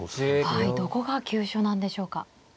はいどこが急所なんでしょうか。